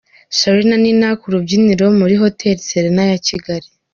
Charly na Nina ku rubyiniro muri hoteli Serena ya Kigali.